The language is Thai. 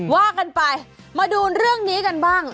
ว่ากันไปมาดูเรื่องนี้กันบ้าง